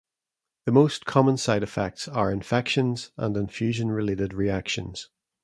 The most common side effects are infections and infusion related reactions.